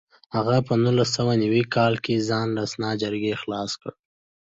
هغه په نولس سوه نوي کال کې ځان له سنا جرګې خلاص کړ.